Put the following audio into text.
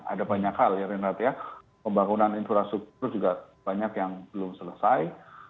ada banyak hal ya renat ya pembangunan infrastruktur juga banyak yang belum selesai